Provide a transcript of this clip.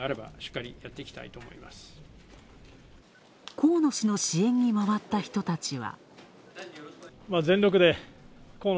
河野氏の支援にまわった人たちは。